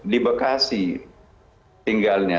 di bekasi tinggalnya